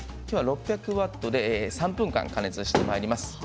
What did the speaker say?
きょうは６００ワットで３分間加熱してまいります。